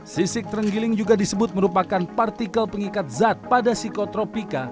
sisik terenggiling juga disebut merupakan partikel pengikat zat pada psikotropika